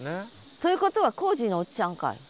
ということは工事のおっちゃんかい？